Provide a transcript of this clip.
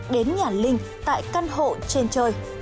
đến nhà linh tại căn hộ trên trời